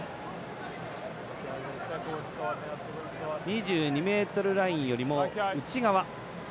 ２２ｍラインよりも内側。